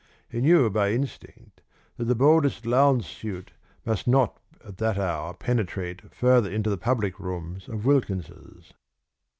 He knew by instinct that the boldest lounge suit must not at that hour penetrate further into the public rooms of Wilkins's.